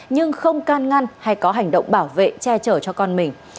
nhưng không can ngăn hay có hành động bảo vệ che chở cho con mình